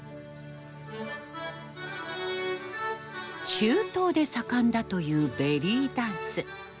中東で盛んだというベリーダンス。